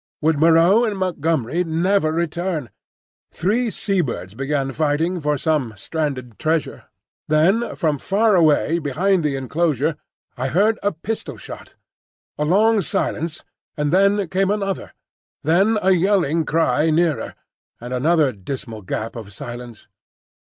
Would Moreau and Montgomery never return? Three sea birds began fighting for some stranded treasure. Then from far away behind the enclosure I heard a pistol shot. A long silence, and then came another. Then a yelling cry nearer, and another dismal gap of silence.